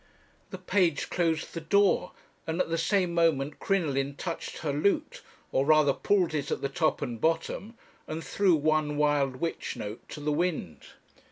The page closed the door, and at the same moment Crinoline touched her lute, or rather pulled it at the top and bottom, and threw one wild witch note to the wind.